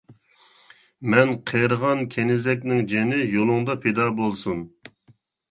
مەن قېرىغان كېنىزەكنىڭ جېنى يولۇڭدا پىدا بولسۇن.